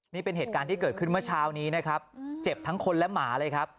นี่เป็นเหตุการณ์ที่เกิดขึ้นเมื่อเช้านี้นะครับเจ็บทั้งคนและหมาเลยครับ